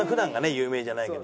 有名じゃないけど。